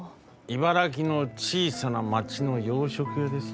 茨城の小さな町の洋食屋です。